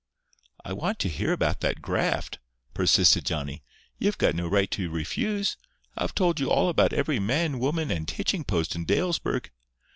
"I want to hear about that graft," persisted Johnny. "You've got no right to refuse. I've told you all about every man, woman and hitching post in Dalesburg."